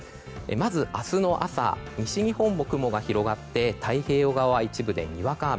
まず明日の朝西日本も雲が広がって太平洋側は一部で、にわか雨。